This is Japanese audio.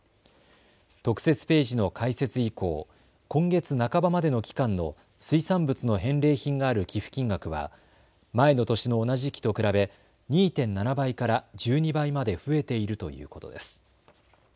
特設ページの開設以降、今月半ばまでの期間の水産物の返礼品がある寄付金額は前の年の同じ時期と比べ２．７倍から１２倍まで増えているということです。